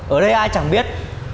ở đây ai chẳng biết